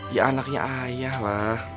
ya anaknya ayah lah